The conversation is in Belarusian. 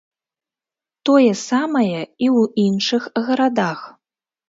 Тое самае і ў іншых гарадах.